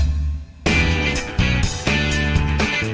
ที่นำให้คุณมาทำอุปกรณ์